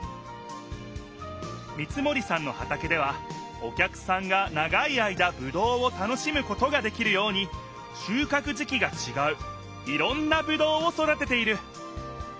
三森さんの畑ではお客さんが長い間ぶどうを楽しむことができるようにしゅうかく時期がちがういろんなぶどうを育てている。